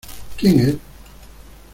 ¿ quién es?